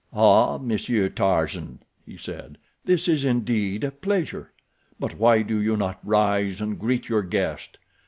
"Ah, Monsieur Tarzan," he said, "this is indeed a pleasure. But why do you not rise and greet your guest?"